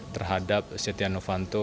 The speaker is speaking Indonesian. terhadap setia novanto